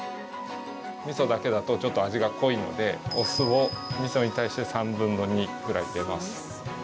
みそだけだとちょっと味が濃いのでお酢をみそに対して３分の２ぐらい入れます。